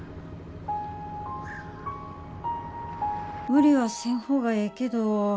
無理はせん方がええけど。